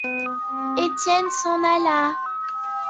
Étienne s’en alla.